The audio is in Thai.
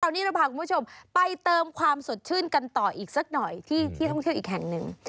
วันนี้เราพาคุณผู้ชมไปเติมความสดชื่นกันต่ออีกสักหน่อยที่ท่องเที่ยวอีกแห่งหนึ่ง